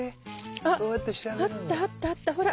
あっあったあったあったほら。